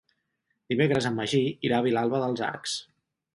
Dimecres en Magí irà a Vilalba dels Arcs.